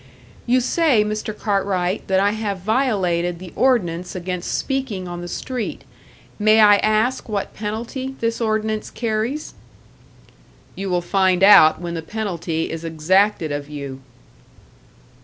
"You say, Mr. Cartwright, that I have violated the ordinance against speaking on the street. May I ask what penalty this ordinance carries?" "You will find out when the penalty is exacted of you."